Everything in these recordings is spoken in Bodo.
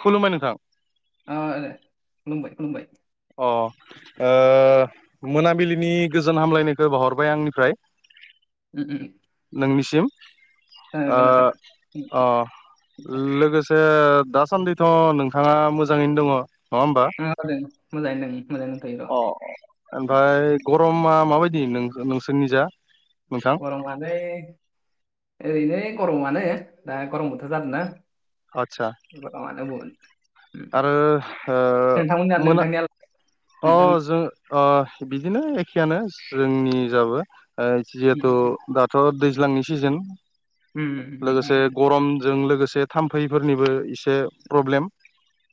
खुलुमबाय नोंथां ओ खुलुमबाय खुलुमबाय अ ओ मोनाबिलिनि गोजोन हामलायनायखौ बावहरबाय आंनिफ्राय। [inaudible] नोंनिसिम जागोन ओ गोजोन्थों अ उम दे लोगोसे ए दासान्दैथ' नोंथाङा मोजाङैनो दङ नङा होमबा? मोजाङै दों मोजाङैनो दंथ'यो र' अ ओमफ्राय गरमा माबायदि नों नोंसोरनिजा नोंथां? गरमालाय ओरैनो गरमानो दा गरम बोथोर जादों ना। आतसा मानो बन आरो ओ मोना नोंथांनियालाय अ नोंथांनि जों ओ बिदिनो एखेयानो जोंनि जाबो ओ उम जिहेथु दाथ' दैज्लांनि सिजोन उम उम लोगोसे उम गरमजों लोगोसे थाम्फैफोरनिबो इसे प्रब्लेम।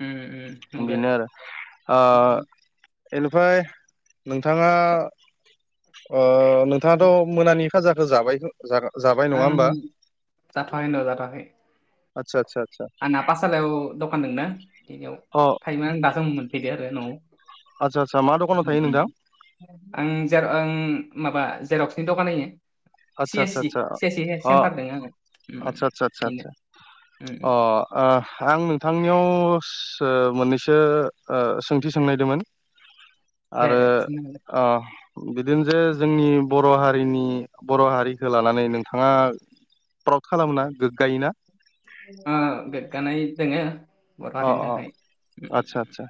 उम उम, नंगो बेनो आरो ओ उम उम एनिफाय नोंथाङा ओ नोंथाङाथ' मोनानि खाजाखौ जाबाय जा जाबाय नङा आं होमबा? जाथ'वाखै र' जाथ'वाखै आतसा आतसा आतसा आंना पाठसालायाव दखान दंना बेनियाव अ थायोमा दासो मोनफैदो आरो न'आव आतसा आदसा मा दखानाव उम थायो उम नोंथां? उम। आं जेर आं माबा जेरक्सनि दखान होयो। आदसा सि आदसा एस सि आदसा सि एस सि हेड अ सेन्टार दोङो आङो उम आदसा आदसा आदसा बेनो आदसा उम अ उम ओ आं नोंथांनियाव सो मोननैसो ओ सोंथि सोंनायदोमोन दे आरो दे ओ बिदिनो जे जोंनि बर' हारिनि बर' हारिखो लानानै नोंथाङा प्रउड खालामोना गोग्गायोना? ओ गोगानाय दोङो। बर' अ हारिनि अ थाखाय उम आतसा उम। आतसा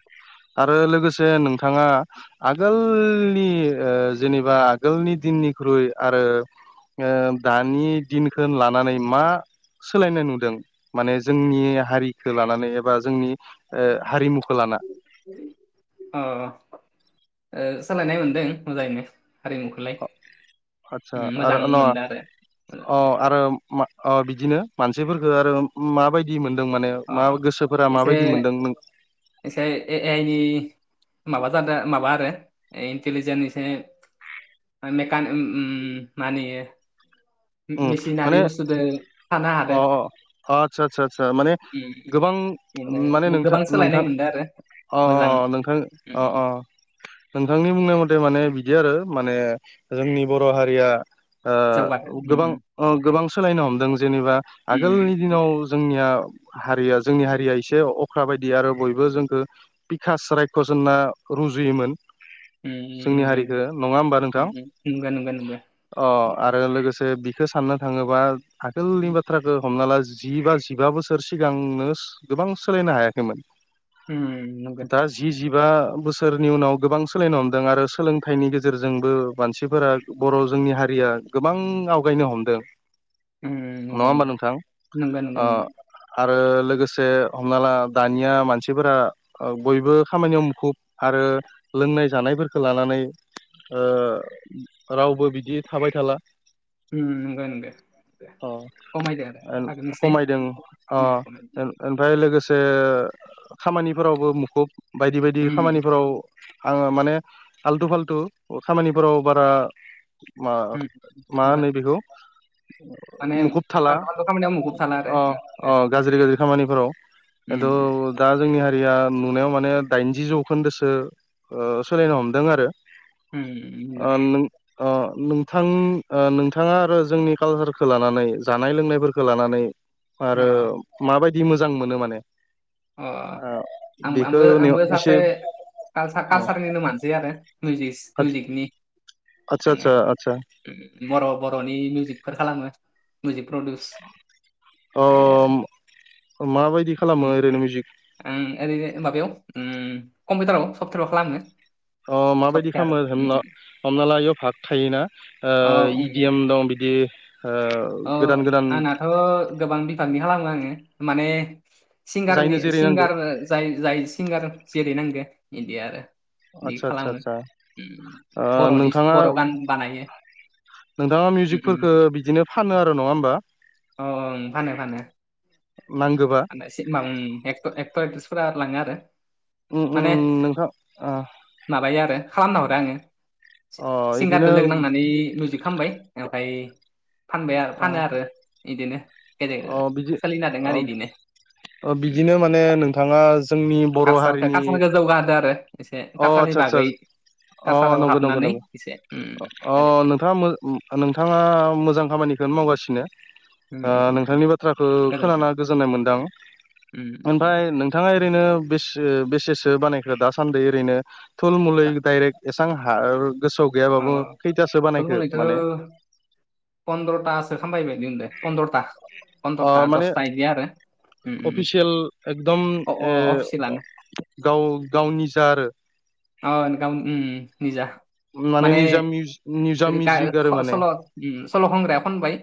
आरो लोगोसे नोंथाङा आगोलनि ओ जेनेबा गोलनि दिननिख्रुइ आरो ओ दानि दिनखो लानानै मा सोलायनाय नुदों माने जोंनि हारिखो लानानै। बा जोंनि ओ हारिमुखो लाना अ ओ सोलायनाय मोनदों मोजाङैनो हारिमुखो। आतसा आरो नङा मोनदों आरो अ मोजां आरो जादों। मा अ बिदिनो मानसिफोरखो आरो माबायदि मोनदों माने अ मा गोसोफोरा एसे माबायदि मोनदों नों एसे ए आइ नि माबा जादों माबा आरो इन्टलिजेन्स एसे मेकान उम मा होनोयो उम मेसिनारि माने बुस्थुदो थानो हादो अ अ आतसा आतचा आ माने उम गोबां माने बिदिनो नोंथा गोबां सोलायनाय मोनदों आरो अ मोजां नोंथां उम अ उम अ नोंथांनि बुंनाय मथे माने बिदि आरो माने जोंनि हारिया जौगाथों ओ उम गोबां ओ सोलायनो हमदों जेनबा आगोलनि उम दिनाव जोंनिया हारिया जोंनि हारिया एसे अख्रा बायदि आरो बयबो जोखो बिखास रायख'ज होनना रुजुयोमोन उम जोंनि नंगौ हारिखो नङा होमबा नोंथां नंगौ नंगौ नंगौ अ आरो लोगोसे बिखो साननो थाङोबा आगोलनि बाथ्राखो हमना ला जि बा जिबा बोसोर सिगांनो गोबां सोलायनो हायाखैमोन उम नोंगो दा जि जिबा बोसोरनि उनाव गोबां सोलायनो हमदों आरो सोलोंथाइनि गेजेरजोंबो मानसिफोरा बर' जोंनि हारिया गोबां आवगायनो हमदों उम नङा नंगौ होमबा नोंथां नंगौ नंगौ अ नंगौ आरो लोगोसे हमना ला दानिया मानसिफोरा ओ बयबो खामानियाव मुखुब आरो लोंनाय जानायफोरखो लानानै रावबो बिदि थाबाय थाला उम नोंगो नोंगो अ एल आगोलनिसाय खमायदों अ उम खमायदो एमफ्राय लोगोसे खामानिफोरावबो मुखुब बायदि बायदि उम खामानिफोराव आङो माने आल्थु फाल्थु खामानिफोराव बारा मा उम नंगौ माहोनो बिखौ माने मुखुब थाला फालथु फालथु खामानियाव मुखुब थाला आरो अ अ गाज्रि गाज्रि खामानिफोराव उम खिन्थु दा जोंनि हारिया नुनायाव माने दाइनजि जौखोन्दोसो ओ सोलायनो हमदों आरो उम नंगौ ओ नों ओ नोंथां ओ नोंथाङा आरो जोंनि कालसार लानानै जानाय लोंनायफोरखौ लानानै अ आरो माबायदि मोजां मोनो माने अ ओ आं बेखौ आंबो आंबो एसे सासे कालार अ कालसारनिनो मानसि आरो मिउिक मिउजिकनि आदसा आङो आदसा आदसा ओ बर' बर'नि मिउजिकफोर खालामो मिउजिक प्रदिउस ओ माबायदि खालामो ओरैनो म्युजिक ओ आं ओरैनो माबायाव ओ कम्पिउटाराव सप्तयाराव खालामो अ माबायदि सफ्टवेयार खालामो उम हनाव हमना ला आययाव भाग थायोना अ उम इडि एम दं बिदि ओ गोदान गोदान ' गोबां बिभागनि खालामो आङो माने सिंगारनि जायनो जेरै नांगो सिंगार जाय जाय सिंगार जिरै नांगोन इदिया आरो बिदि आदसा आदसा खालामो आदसा ओ बर'नि नोंथाङा बर' गान बानायो। नोंथाङा उम मिउजिकख उम बिदिनो फानो आरो नङा होमबा? अ ओ फानो फानो नांगोबा [unintelligible] एखथ'र एकथ्रिसफोरा लांगोआरो उम उम माने आरो माने नोंथां ओ माबायो आरो खालामना हरो आङो अ सिंगार बिदिनो जों लोगो नांनानै म्युजिक खामबाय ओमफ्राय फानबाय फानो आरो बिदिनो अ बिदि अ बिदि अ बिदिनो माने नोंथाङा जोंनि बर' खार हारिनि खारसान जौगाहादों आरो एसे अ खासालनि आदसा आदसा बागै अ कसालायाव नंगौ नंगौ हाबनानै नंगौ इसे ओरैनो ओ नोंथाङा मोजां खामानिखौनो मावगासिनो उम ओ उम उम नोंथांनि बाथ्राखौ खोनाना गोजोनथों गोजोननाय मोनदों उम ओमफ्राय उम नों बिथाङा ओरैनो बे बेसेसो बानायखो दासान्दिै ओरैनो थुलमुुलि दा दडाइरेक्ट ए थां हा ओ गोसोआव अ गैयाबाबो खैथासो बानायखो माने फन्द्रथास खामबायबायदि मोनो दे फन्द्रथा ओ पन्द्रथा माने दसथा एदि आरो उम उम अफिसियेल एकदम अ अ ओ अफिसियेलानो गाव गाव निजा आरो अ नोंथां उ उ निजा माने निजा ग मिउजिक आरो माने सल' सल खंग्राया खनबाय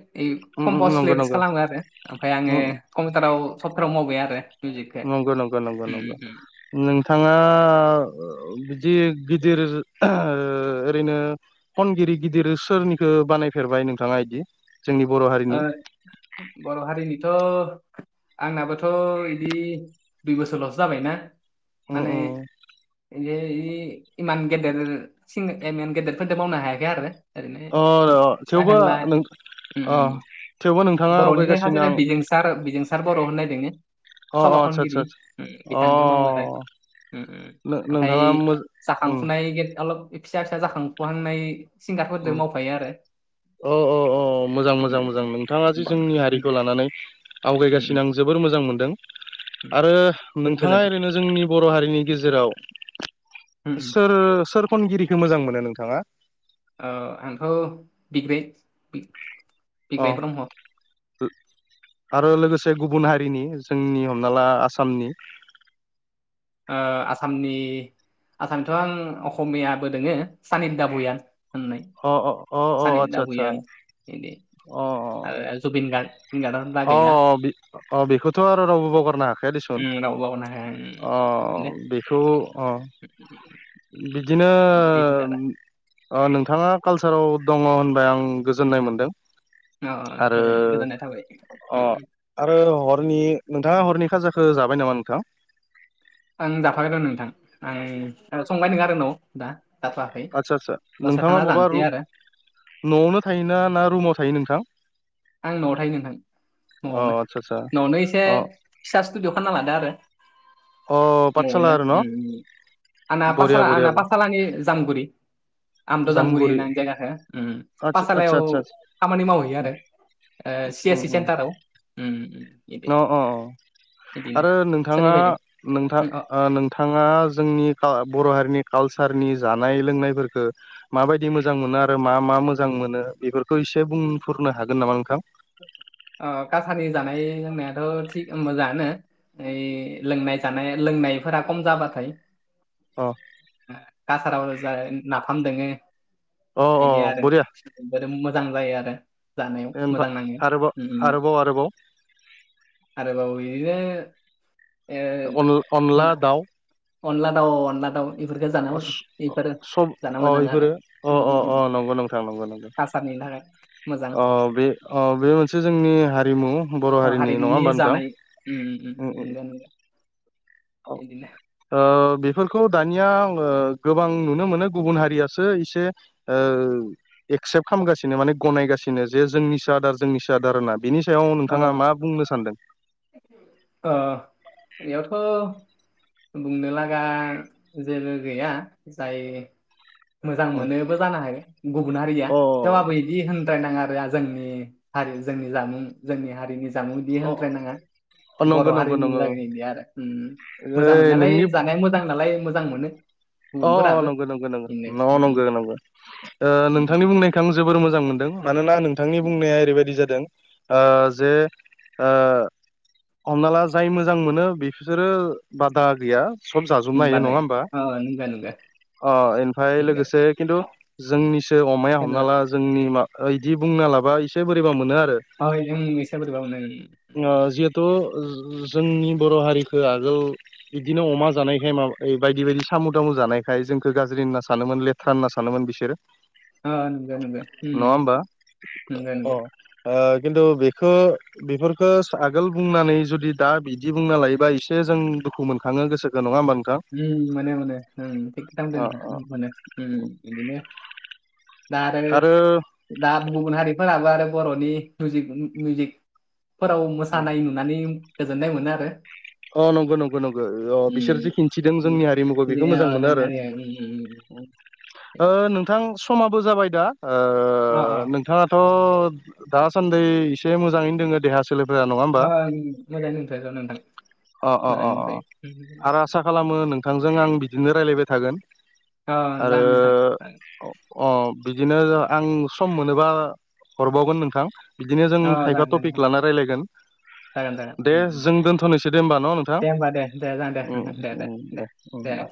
कमपस नंगौ लिरिक्स नंगौ खालामो आरो ओमफफ्राय आङो कम्पिउटाराव सब्टावाराव मावबाय आरो मिउजिकखौ नंगौ नंगौ नंगौ उम नंगौ उम नोंथाङा बिदि गिदिर ओ ओरैनो खनगिरि गिदिर सोरनिखो बानायफेरबाय नोंथाङा बिदि जोंनि बर हारिनि उम बर' हारिनिथ' आंनाबोथ' बिदि दुय बसरल'सो जाबायना उम माने उम बे इमान गेदेर सि इमान गेदेरफोरजों मावनो हायाखै आरो ओरैनो अ अ फिसा थेवबो फेनला नों उम उम नोंथाङा आवगायगासिनो आं दा आरो बिजोंसार बर होननायदोंनो अ अ आदसा आदसा अ बिथांदों मावो आरो उ उ ओमफ्राय नोंथाङा मो उम जाखांफुनाय अलब फिसा फिसा जाखांफुहांनाय सिंगारफोरजों उम मावफायो आरो। अ अ अ मोजां मोजां मोजां उम नोंथाङा जे जोंनि उम हारिखौ लानानै उम आवगायगासिनो आं जोबोर मोजां मोनदों उम, आरो उम। नोंथाङा गोजोन्थों ओरैनो जोंनि बर' हारिनि गेजेराव उम सोर सोर खनगिरिखौ मोजां मोनो नोंथाङा? ओ आंथ बि अ बिग्राय ब्रह्म ओ आरो लोगोसे गुबुन हारिनि जोंनि हमना ला आसामनि ओ आसामनि आसामनिथ आं असमियाबो दोङो सानि दाबुयान होननाय अ अ अ अ सानिदा आचसा आचाचा भुयान अ अ जुबिनगार्ग जुबिनगार्ग अ अ बेखौथ आरो रावबो बावगारनो हाखाया दिसुन उम रावबो बावगारनो हाया उम अ बेनो बेखौ अ उम, उम, बिदिनो उम, बिदिनो आरो अ नोंथाङा कालसाराव दङ होनबाय आं गोजोननाय मोनदों अ अ आरो गोजोन गोजोननाय थाबाय अ उम आरो हरनि नोंथाङा हरनि खाजाखौ जाबाय नामा नोंथां? आं [unintelligible] दं नोंथां आं संबाय नङा आरो नाव दा जाथ'वाखै आदसा आदसा दसे नोंथाङा थाना बबा जानोसै रु आरो नआवनो थायोना ना रुमाव थायो नोंथां? आं न'आव थायो नोंथां अ न'आवनो आदसा आदसा न'आवनो एसे अ फिसा स्टुडि खालामना लादो अ पाठसाला आरो न' [unintelligible] आंना बरिया पातसाला बरिया आंना पाटसालानि जामगुरि आमद' जामगुरि जामुगुरि होननानै जायगाखौ आदसा आदसा पाठसालायाव आदसा खामानि मावहैयो आरो ओ सि उम एस सि उम सेन्टाराव उम उम बिदि अ अ बिदिनो आरो नोंथाङा सोलिबायदों नोंथां अ ओ नों नोंथाङा जोंनि बर' हारिनि कालसारनि जानाय लोंनायफोरखो माबायदि मोजां मोनो आरो मा मा मोजां मोनो बेफोरखौ एसे बुंफुरनो हागोन नामा नोंथां? अह कालसारनि जानाय लोंनायाथ' थिग मोजाङानो ओइ लोंनाय जानाय लोंनायफोरा खम जाबाथाय अ कासाराव जा नाफाम दोङो अ अ बिदि आरो बरिया बेफोरो मोजां जायो आरो जानायाव मोजां ओमफ्राय नाङो आरोबाव उम आरोबाव आरोबाव आरोबाव बिदिनो अन ओ मा अनला दाउ अनला दाव अनला दाव [unintelligible] सब अह मोजां आरो इफोरो उम अह उम अह उम अह उम नंगौ नोंथां नंगौ नोंथां कासारनि थाखाय मोजां अह बे अह बे मोनसे जोंनि हारिमु बर' अ, हारिनि नङा हारिमुनि होमबा नोंथां! जानाय उम उम उम अ इदिनो ओ बेफोरखौ दानिया आङो गोबां नुनो मोनो गुबुन हारियासो एसे ओ एक्सेप्ट खालामगासिनो माने गनायगासिनो जे जोंनिसो आदार जोंनिसो आदार होननानै बेनि सायाव नोंथाङा मा बुंनो सानदों? अह बेयावथ' बुंनो लागा जेबो गैया जाय मोजां मोनोबो जानो हायो गुबुन हारिया थेवबाबो बिदि होनद्रायनाङा आरो जोंनि हारि जोंनि जामुं जोंनि हारिनि जामुं इदि होनद्रायनाङा अ बर' नंगौ नंगौ हारिनि नंगौ [unintelligible] आरो उम मोजां ओइ मोननायालाय नोंनि जानाया मोजां नालाय मोजां मोनो अ अ गुबुनफोराबो नंगौ नंगौ इनो नंगौ नंगौ नंगौ ओ नोंथांनि बुंनायखौ आं जोबोर मोजां मोनदों मानोना नोंथांनि बुंनाया ओरैबायदि जादों ओ जे ओ हमना ला जाय मोजां मोनो बिसोरो बादा गैया सब जाजोबनो हायो होमबानो नङा होमबा अ नंगो नंगो अह ओमफ्राय नंगो लोगोसे खिन्थु जोंनिसो अमाया हमना ला जोंनि मा ओ इदि बुंना लाबा इसे बोरैबा मोनो आरो अह जों इसे बोरैबा मोनो उम ओ जिहेथु जोंनि बर' हारिखो आगोल बिदिनो अमा जानायखाय माबा बायदि बायदि साम' दामु जानायखाय जोंखौ गाज्रि होनना सानोमोन लेथ्रा होनना सानोमोन बिसोरो [unintelligible] ओ नंगो नंगो नङा होमबा उम नंगो अ नंगो ओ खिथु बेखो बेफोर खौ आगोल बुंनानै जुदि दा बिदि बुंना लायोबा एसे जों दुखु मोनखाङो गोसोखौ नङा होमबा नोंथां? उम मोनो मोनो उम थिगथां अ अ [unintelligible] मोनो उम उम इदिनो दा आरो दा गुबुन हारिफोराबो आरो बर'नि दुइक मिउजिक फोराव मोसानाय नुनानै गोजोननाय मोनो आरो अह नंगौ नंगौ नंगो अह बिसोर जिखिनि थिदों उम जोंनि हारिमुखौ जोंनि बेखौ अ मोजां मोनो जोंनि आरो हारिया उम उम उम। ओ नोंथां समाबो जाबाय दा ओ अह अह नोंथाङाथ' दासान्दि एसे मोजाङैनो दोङो देहा सो सोलोफोरा नङा होमबा ओ मोजाङै नंथ'यो र नोंथां अह अह मोजाङै अह अह दंथ'यो आरो आसा खालामो नोंथांजों आं बिदिनो रायलायबाय थागोन औ जागोन नोंथां अह बिदिनो आं सम मोनोबा हरबावगोन नोंथां बिदिनो जों अ खायफा जागोन दे टपिक नोंथां लाना रायलायगोन जागोन दे जागोन उम उम जों दोनथ'नोसै दे होमबा न' नोंथां दे होमबा दे दे जागोन दे उम नोंथां दे उम दे उम दे